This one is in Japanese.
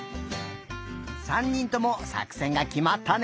３にんともさくせんがきまったね。